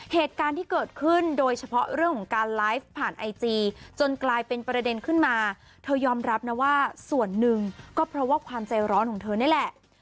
เหตุการณ์ที่เกิดขึ้นโดยเฉพาะเรื่องของการไลฟ์ผ่านไอจีจนกลายเป็นประเด็นขึ้นมาเธอยอมรับนะว่าส่วนหนึ่งก็เพราะว่าความใจร้อนของเธอนี่แหละ